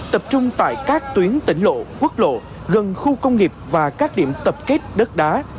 tập trung tại các tuyến tỉnh lộ quốc lộ gần khu công nghiệp và các điểm tập kết đất đá